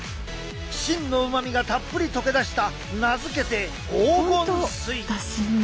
芯のうまみがたっぷり溶け出した名付けて黄金水！